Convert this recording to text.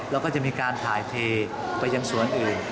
แล้วก็จะมีการถ่ายเทไปยังสวนอื่น